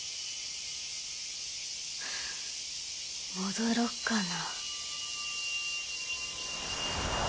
戻ろっかな。